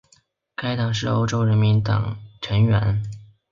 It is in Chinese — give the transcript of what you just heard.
该党是欧洲人民党成员。